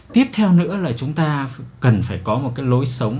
tiếp theo nữa là chúng ta cần phải có một cái lối sống